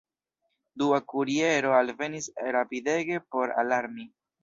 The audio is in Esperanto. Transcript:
Dua kuriero alvenis rapidege por alarmi.